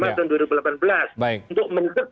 lima tahun dua ribu delapan belas untuk mencegah